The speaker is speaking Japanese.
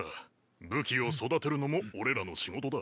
武器を育てるのも俺らの仕事だ。